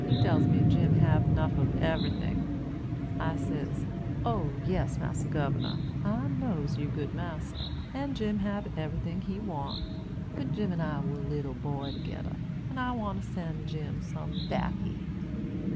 He tells me Jim hab 'nuff ob eberyting. I says, 'O yes, Massa Gubernor, I knows you good massa, and Jim hab eberyting he want. But Jim an' I was leetle boy togeder, and I wants to sen' Jim some backy.'